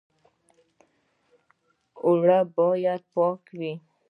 اوړه باید پاک وي